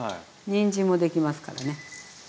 にんじんもできますからね。